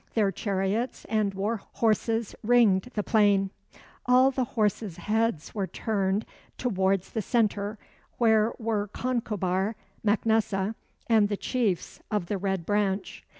Their chariots and war horses ringed the plain. All the horses' heads were turned towards the centre where were Concobar Mac Nessa and the chiefs of the Red Branch.